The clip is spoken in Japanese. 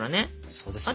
そうですよね。